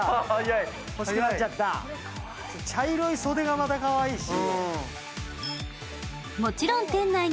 茶色い袖がまたかわいいし。